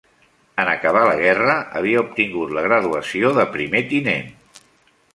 En acabar la guerra havia obtingut la graduació de primer tinent.